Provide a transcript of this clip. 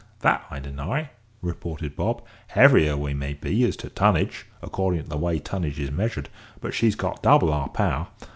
"That I deny," retorted Bob. "Heavier we may be as to tonnage, accordin' to the way tonnage is measured; but she's got double our power.